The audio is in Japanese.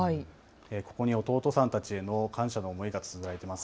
ここにお父さんたちへの感謝の思いがつづられています。